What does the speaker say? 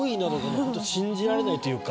信じられないというか。